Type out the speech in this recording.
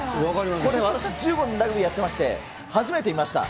これ、私１５年ラグビーやってまして、初めて見ました。